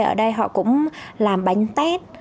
ở đây họ cũng làm bánh tết